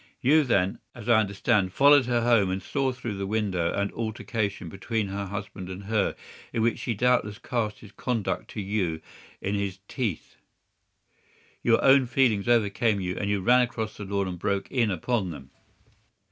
You then, as I understand, followed her home and saw through the window an altercation between her husband and her, in which she doubtless cast his conduct to you in his teeth. Your own feelings overcame you, and you ran across the lawn and broke in upon them."